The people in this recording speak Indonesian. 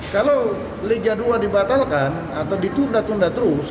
kalau liga dua dibatalkan atau ditunda tunda terus